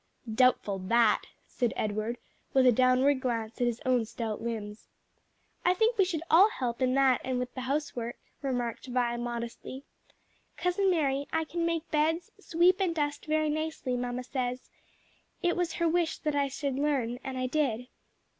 "Doubtful that!" said Edward, with a downward glance at his own stout limbs. "I think we should all help in that and with the housework," remarked Vi modestly. "Cousin Mary, I can make beds, sweep and dust very nicely, mamma says. It was her wish that I should learn, and I did."